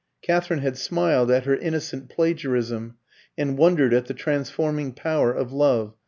Katherine had smiled at her innocent plagiarism, and wondered at the transforming power of love.